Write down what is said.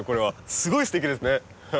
すごいすてきですね。